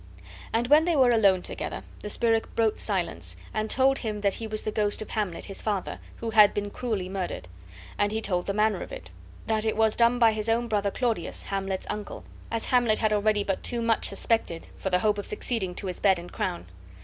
And when they were alone together, the spirit broke silence and told him that he was the ghost of Hamlet, his father, who had been cruelly murdered, and he told the manner of it; that it was done by his own brother Claudius, Hamlet's uncle, as Hamlet had already but too much suspected, for the hope of succeeding to his bed and crown.